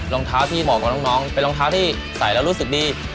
รองเท้าที่เหมาะกับน้องเป็นรองเท้าที่ใส่แล้วรู้สึกดี